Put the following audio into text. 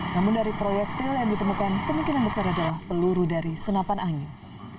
namun dari proyektil yang ditemukan kemungkinan besar adalah peluru dari senapan angin